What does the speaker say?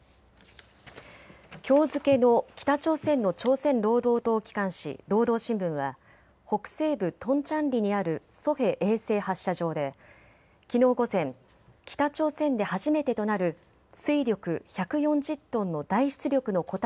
きょう付けの北朝鮮の朝鮮労働党機関紙、労働新聞は北西部トンチャンリにあるソヘ衛星発射場できのう午前、北朝鮮で初めてとなる推力１４０トンの大出力の固体